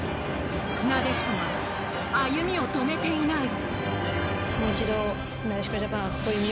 なでしこが歩みを止めていない。